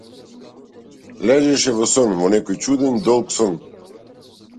Лежеше во сон, во некој чуден, долг сон.